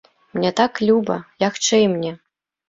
Мне так люба, лягчэй мне.